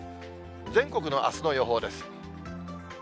全国のあすの予報です。